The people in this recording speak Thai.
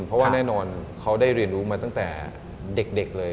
เพราะว่าแน่นอนเขาได้เรียนรู้มาตั้งแต่เด็กเลย